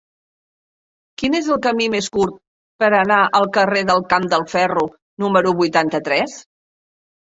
Quin és el camí més curt per anar al carrer del Camp del Ferro número vuitanta-tres?